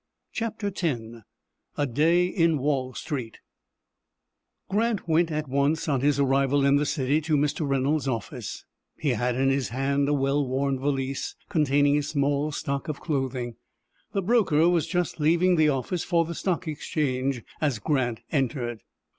CHAPTER X A DAY IN WALL STREET Grant went at once on his arrival in the city to Mr. Reynolds' office. He had in his hand a well worn valise containing his small stock of clothing. The broker was just leaving the office for the Stock Exchange as Grant entered.